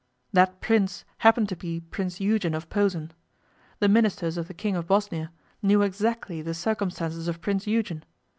That Prince happened to be Prince Eugen of Posen. The Ministers of the King of Bosnia knew exactly the circumstances of Prince Eugen.